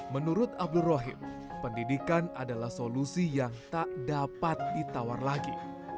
menurut abdul rohim pendidikan adalah solusi yang tak dapat ditawar lagi